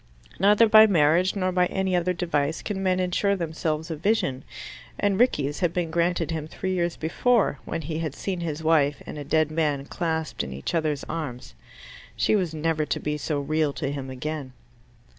Neither by marriage nor by any other device can men insure themselves a vision; and Rickie's had been granted him three years before, when he had seen his wife and a dead man clasped in each other's arms. She was never to be so real to him again.